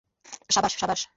সাবাশ - সাবাশ।